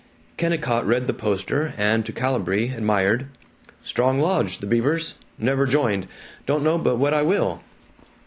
Kennicott read the poster and to Calibree admired, "Strong lodge, the Beavers. Never joined. Don't know but what I will."